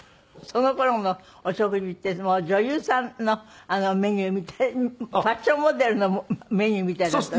その頃のお食事って女優さんのメニューみたいファッションモデルのメニューみたいだったって。